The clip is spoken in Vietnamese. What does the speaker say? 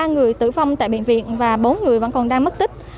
một mươi ba người tử vong tại biện viện và bốn người vẫn còn đang mất tích